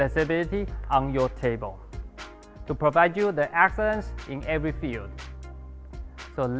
dan kami juga ingin memberikan anda pengetahuan tentang inovasi yang berhasil